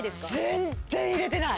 全然入れてない